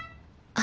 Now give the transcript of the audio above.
あ。